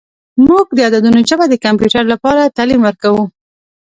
موږ د عددونو ژبه د کمپیوټر لپاره تعلیم ورکوو.